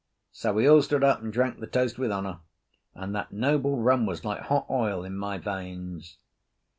So we all stood up and drank the toast with honour, and that noble rum was like hot oil in my veins.